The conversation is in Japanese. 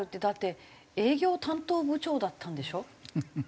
だって営業担当部長だったんでしょ？